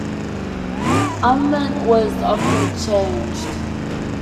Armament was often changed.